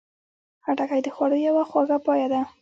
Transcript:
خټکی د خوړو یوه خواږه پایه ده.